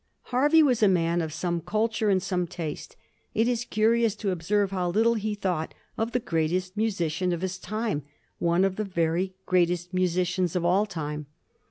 Hervey was a man of some culture and some taste; it is curious to observe how little he thought of the greatest musician of his time, one of the very greatest musicians of all time.